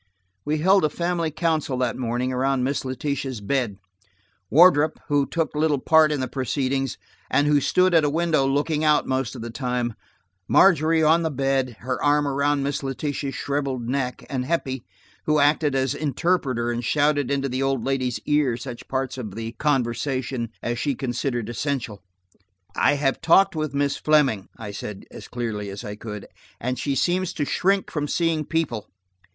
We held a family council that morning around Miss Letitia's bed: Wardrop, who took little part in the proceedings, and who stood at a window looking out most of the time, Margery on the bed, her arm around Miss Letitia's shriveled neck, and Heppie, who acted as interpreter and shouted into the old lady's ear such parts of the conversation as she considered essential. "I have talked with Miss Fleming," I said, as clearly as I could, "and she seems to shrink from seeing people.